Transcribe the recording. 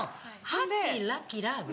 ハッピーラッキーラブ？